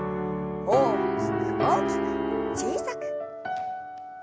大きく大きく小さく。